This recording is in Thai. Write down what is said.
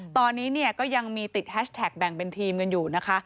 ตอนนี้เนี่ยก็ยังมีติดแฮชแท็กแบ่งเป็นทีมกันอยู่นะคะ